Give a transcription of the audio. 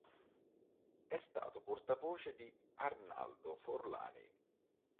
È stato portavoce di Arnaldo Forlani.